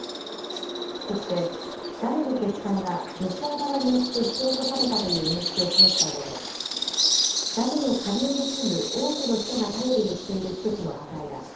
そしてダムの決壊はロシア側によって引き起こされたという認識を示したうえでダムの下流に住む多くの人が頼りにしている施設の破壊だ。